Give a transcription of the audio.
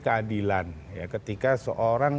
keadilan ketika seorang